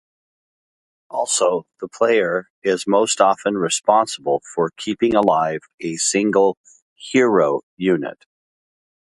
Also, the player is most often responsible for keeping alive a single 'hero' unit.